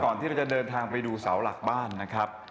ที่เราจะเดินทางไปดูเสาหลักบ้านนะครับ